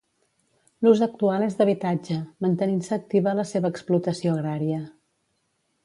L'ús actual és d'habitatge, mantenint-se activa la seva explotació agrària.